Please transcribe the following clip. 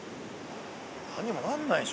何にもなんないっしょ。